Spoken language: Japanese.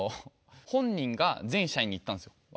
本人が全社員に言ったんですよ